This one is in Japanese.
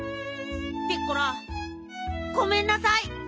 ピッコラごめんなさい。